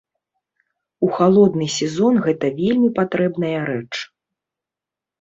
У халодны сезон гэта вельмі патрэбная рэч.